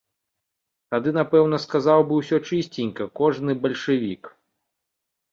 Тады напэўна сказаў бы ўсё чысценька кожны бальшавік.